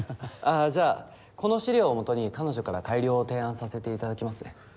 あじゃあこの資料をもとに彼女から改良を提案させていただきますね。